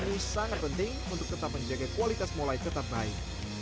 dan mengaku ini sangat penting untuk kita menjaga kualitas mulai tetap naik